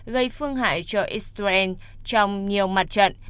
gây phương hại cho israel trong nhiều mặt trận